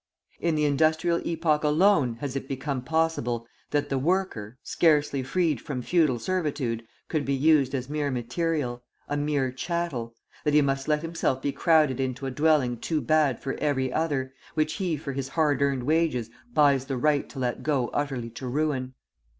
In the industrial epoch alone has it become possible that the worker scarcely freed from feudal servitude could be used as mere material, a mere chattel; that he must let himself be crowded into a dwelling too bad for every other, which he for his hard earned wages buys the right to let go utterly to ruin.